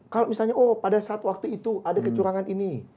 kalau misalnya oh pada saat waktu itu ada kecurangan ini